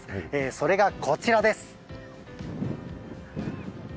それが、こちらです。